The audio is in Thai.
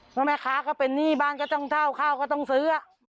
เพราะแม่ค้าก็เป็นหนี้บ้านก็ต้องเท่าข้าวก็ต้องซื้อ